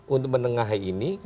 untuk menengahi ini